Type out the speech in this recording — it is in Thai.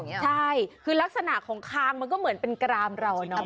ใช่คือลักษณะของคางมันก็เหมือนเป็นกรามเราเนาะ